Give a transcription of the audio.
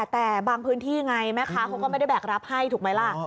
แต่บางพื้นที่ไงแม่ค้าเขาก็ไม่ได้แบกรับให้ถูกไหมล่ะ